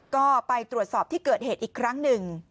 ก็ไปตรวจสอบที่เกิดเหตุอีกครั้งหนึ่ง